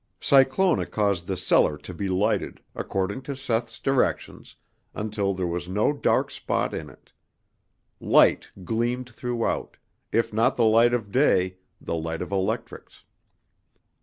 Cyclona caused the cellar to be lighted, according to Seth's directions, until there was no dark spot in it. Light gleamed throughout, if not the light of day, the light of electrics.